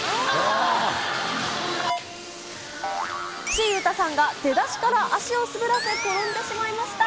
岸優太さんが出だしから足を滑らせ転んでしまいました。